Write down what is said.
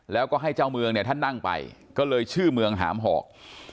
แล้วก็ให้เจ้าเมืองเนี่ยท่านนั่งไปก็เลยชื่อเมืองหามหอก